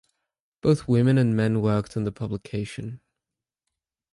Both women and men worked on the publication.